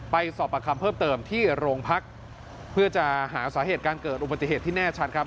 สอบประคำเพิ่มเติมที่โรงพักเพื่อจะหาสาเหตุการเกิดอุบัติเหตุที่แน่ชัดครับ